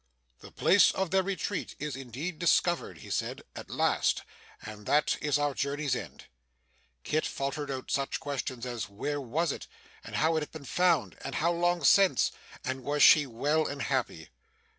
'The place of their retreat is indeed discovered,' he said, 'at last. And that is our journey's end.' Kit faltered out such questions as, where was it, and how had it been found, and how long since, and was she well and happy?